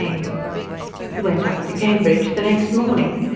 XVI He went up to Cambridge the next morning.